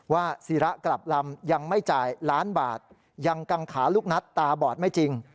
ศิระกลับลำยังไม่จ่ายล้านบาทยังกังขาลูกนัดตาบอดไม่จริง